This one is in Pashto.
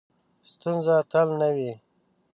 ستونزې تل نه وي .